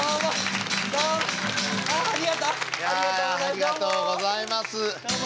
ありがとうございますどうも。